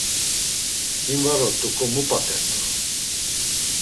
Him var ort̆uǩo mu p̌atert̆u?